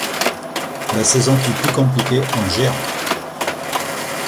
La saison fut plus compliquée en géant.